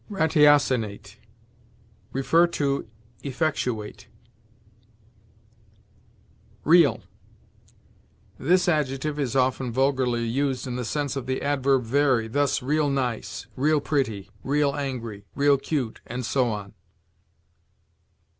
RATIOCINATE. See EFFECTUATE. REAL. This adjective is often vulgarly used in the sense of the adverb very; thus, real nice, real pretty, real angry, real cute, and so on.